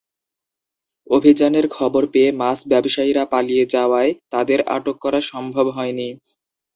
অভিযানের খবর পেয়ে মাছ ব্যবসায়ীরা পালিয়ে যাওয়ায় তাঁদের আটক করা সম্ভব হয়নি।